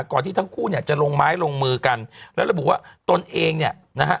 ที่ทั้งคู่เนี่ยจะลงไม้ลงมือกันแล้วระบุว่าตนเองเนี่ยนะฮะ